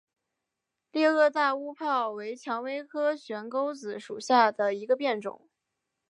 裂萼大乌泡为蔷薇科悬钩子属下的一个变种。